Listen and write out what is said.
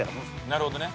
なるほどね。